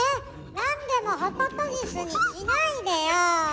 なんでもホトトギスにしないでよ。